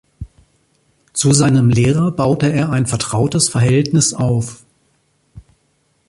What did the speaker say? Zu seinem Lehrer baute er ein vertrautes Verhältnis auf.